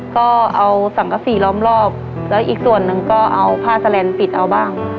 ก็เอาสังกษีล้อมรอบแล้วอีกส่วนหนึ่งก็เอาผ้าแสลนปิดเอาบ้าง